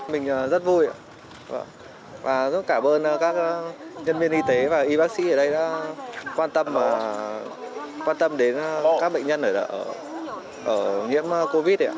mình rất vui và cảm ơn các nhân viên y tế và y bác sĩ ở đây đã quan tâm đến các bệnh nhân ở nhiễm covid